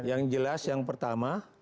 yang jelas yang pertama